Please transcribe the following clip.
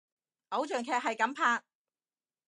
偶像劇係噉拍！